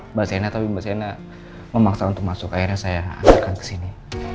mbak sena tapi mbak sena memaksa untuk masuk akhirnya saya angkatkan kesini